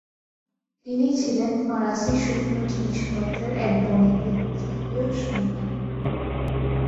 তিনি ছিলেন ফরাসি শুকনো জিনিসপত্রের এক বণিকের তৃতীয় সন্তান।